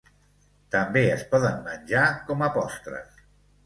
També es poden menjar com a postres.